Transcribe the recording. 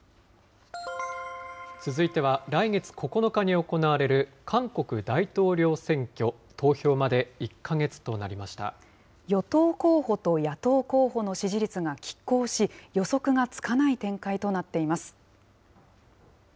続いては来月９日に行われる韓国大統領選挙、投票まで１か月与党候補と野党候補の支持率がきっ抗し、予測がつかない展開となっています。